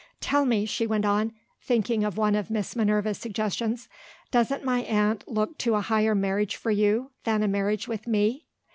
"Tell me," she went on, thinking of one of Miss Minerva's suggestions, "doesn't my aunt look to a higher marriage for you than a marriage with me?"